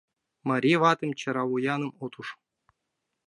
Марий ватым чаравуяным от уж.